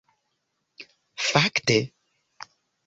Fakte.